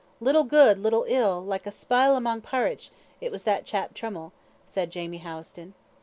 "Little good, little ill, like a spale amang parritch, was that chap Trummle," said Jamie Howison.